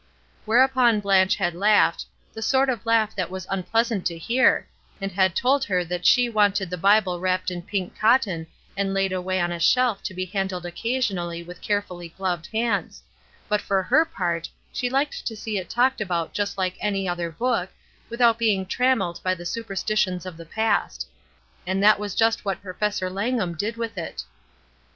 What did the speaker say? Whereupon Blanche had laughed, the sort of laugh that was un pleasant to hear, and had told her that she wanted the Bible wrapped in pink cotton and laid away on a shelf to be handled occasionally with carefully gloved hands; but for her part she liked to see it talked about just hke any other book, without being trammelled by the superstitions of the past; and that was just what^^Professor Langham did with it.